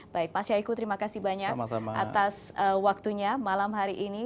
baik pak syahiku terima kasih banyak atas waktunya malam hari ini